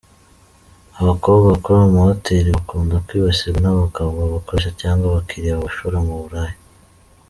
Abakobwa bakora mu mahoteli bakunda kwibasirwa n’abagabo babakoresha cyangwa abakiliya babashora mu buraya.